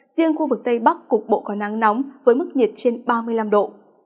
riêng khu vực tây bắc cục bộ có nắng nóng với mức nhiệt trên ba mươi năm độ